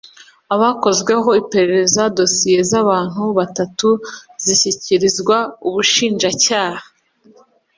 abakozweho iperereza dosiye z’abantu batatu zishyikirizwa ubushinjacyaha